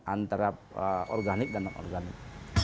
antara organik dan non organik